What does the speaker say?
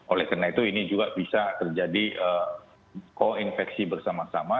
oleh karena itu ini juga bisa terjadi koinfeksi bersama sama